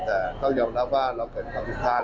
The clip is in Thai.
แต่ต้องยอมรับว่าเราเป็นประพธิภาค